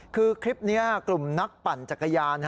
คือคลิปนี้กลุ่มนักปั่นจักรยาน